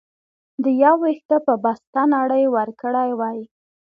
د يو وېښته په بسته نړۍ وکړى وى.